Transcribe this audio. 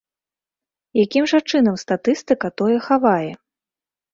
Якім жа чынам статыстыка тое хавае?